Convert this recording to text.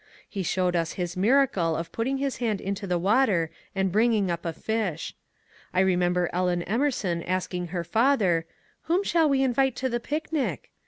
He showed us his miracle of putting his hand into the water and bring ing up a fish.^ I remember Ellen Emerson asking her father, "Whom shall we invite to the picnic?"